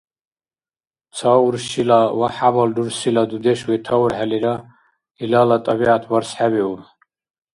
Ца уршила ва хӀябал рурсила дудеш ветаурхӀелира, илала тӀабигӀят барсхӀебиуб